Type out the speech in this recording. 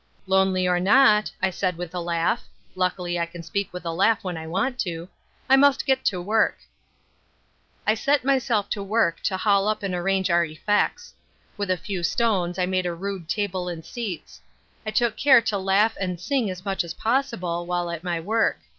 "Lonely or not," I said with a laugh (luckily I can speak with a laugh when I want to), "I must get to work." I set myself to work to haul up and arrange our effects. With a few stones I made a rude table and seats. I took care to laugh and sing as much as possible while at my work.